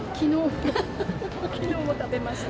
きのうも食べました。